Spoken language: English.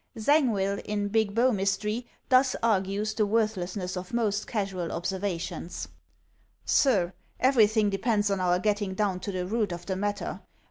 Zangwill in "Big Bow Mystery" thus argues the worth lessness of most casual observation : "Sir, everything depends on our getting down to the root of the matter.